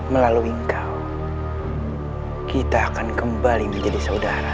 melalui engkau kita akan kembali menjadi saudara